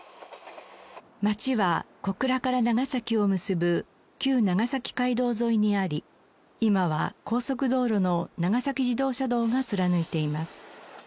街は小倉から長崎を結ぶ旧長崎街道沿いにあり今は高速道路の長崎自動車道が貫いています。